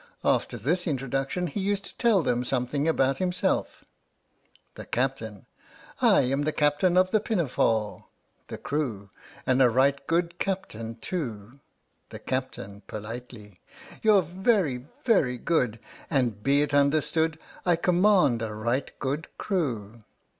After this introduction he used to tell them something about himself: The Captain. I am the captain of the PinaforeX The Crew. And a right good captain too! The Captain {politely). You're very, very good, And be it understood, I command a right good crew!